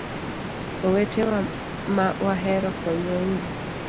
Owetewa ma wahero konywa uru.